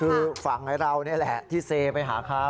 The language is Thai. คือฝั่งเรานี่แหละที่เซไปหาเขา